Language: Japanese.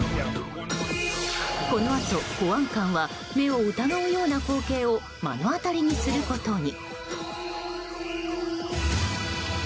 このあと、保安官は目を疑うような光景を目の当たりにすることに。